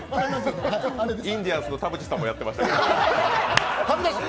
インディアンスの田渕さんもやってました。